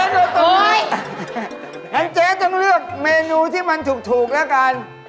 งั้นเจ๊ต้องเลือกเมนูที่มันถูกเหล้ากัน